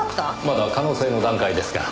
まだ可能性の段階ですが。